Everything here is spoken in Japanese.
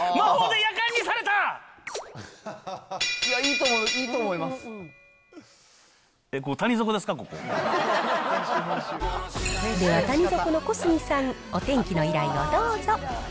では谷底の小杉さん、お天気の依頼をどうぞ。